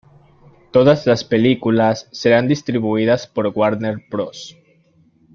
Todas las películas serán distribuidas por Warner Bros.